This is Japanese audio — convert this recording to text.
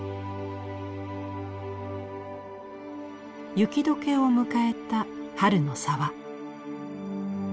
雪解けを迎えた春の沢。